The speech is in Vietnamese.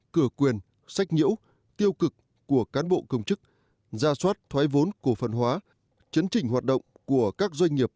cửa quyền sách nhiễu tiêu cực của cán bộ công chức ra soát thoái vốn cổ phần hóa chấn trình hoạt động của các doanh nghiệp